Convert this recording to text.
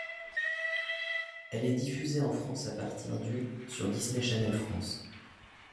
Elle est diffusée en France à partir du sur Disney Channel France.